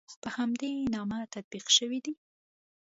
په همدې نامه تطبیق شوي دي.